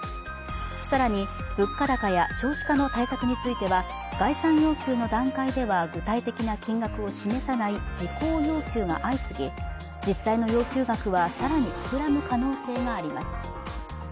更に、物価高や少子化の対策については概算要求の段階では具体的な金額を示さない事項要求が相次ぎ、実際の要求額は更に膨らむ可能性があります。